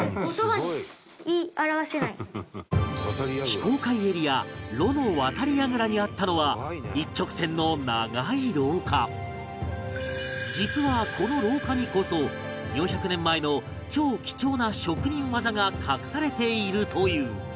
非公開エリアロの渡櫓にあったのは実はこの廊下にこそ４００年前の超貴重な職人技が隠されているという